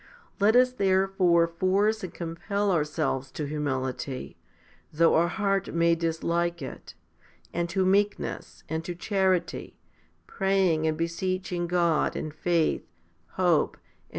Let us therefore force and compel ourselves to humility, though our heart may dislike it, and to meekness, and to charity, praying and beseeching God in faith, hope, and 1 Ps.